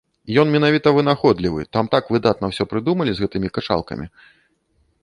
Ён менавіта вынаходлівы, там так выдатна ўсё прыдумалі з гэтымі качалкамі.